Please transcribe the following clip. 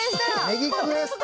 ネギクエスト